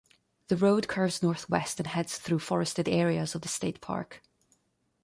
The road curves northwest and heads through forested areas of the state park.